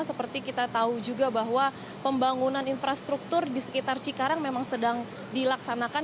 seperti kita tahu juga bahwa pembangunan infrastruktur di sekitar cikarang memang sedang dilaksanakan